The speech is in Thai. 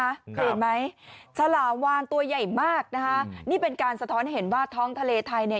เห็นไหมฉลามวานตัวใหญ่มากนะคะนี่เป็นการสะท้อนเห็นว่าท้องทะเลไทยเนี่ย